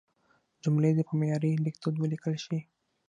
جملې دې په معیاري لیکدود ولیکل شي.